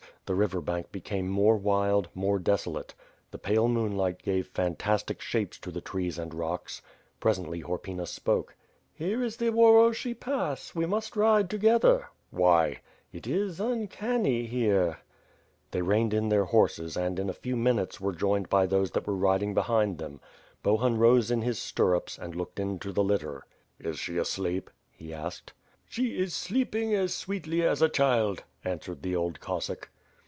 The river bank became more wild, more desolate. The pale moonlight gave fantas tic shapes to the trees and rocks. Presently Horpyna spoke. 'Taere is the Uoroshchi Pass. We must ride together." "Why?" WITH F{RE AND SWORD . 431 'It is uncanny here/^ They reined in their horses and, in a few minutes, were joined by those that were riding behind them. Bohun rose in his stirrupe, and looked into the litter. "Is she asleep?" he r^ked. "She is sleeping as sweetly as a child," answered the old Cossack.